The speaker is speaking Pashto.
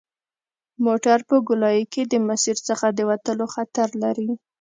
موټر په ګولایي کې د مسیر څخه د وتلو خطر لري